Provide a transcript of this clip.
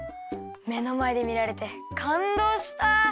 めのまえでみられてかんどうした。